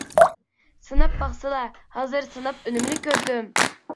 سىناپ باقسىلا، ھازىر سىناپ ئۈنۈمىنى كۆردۈم!